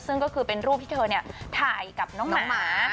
ซึ่งก็คือเป็นรูปที่เธอถ่ายกับน้องหมา